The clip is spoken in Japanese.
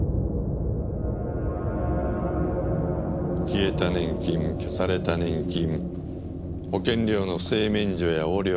消えた年金消された年金保険料の不正免除や横領。